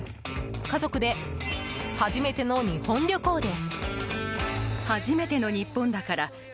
家族で初めての日本旅行です。